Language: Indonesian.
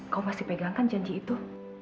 kau masih pegangkan janji itu